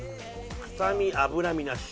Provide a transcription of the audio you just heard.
くさみ脂身なし。